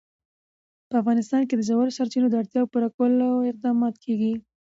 په افغانستان کې د ژورو سرچینو د اړتیاوو پوره کولو اقدامات کېږي.